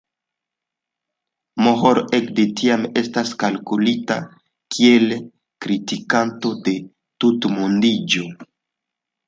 Moore ekde tiam estas kalkulita kiel kritikanto de tutmondiĝo.